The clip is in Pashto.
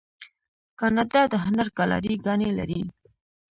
کاناډا د هنر ګالري ګانې لري.